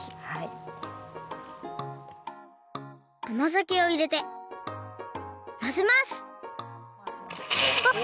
あまざけをいれてまぜますわっ！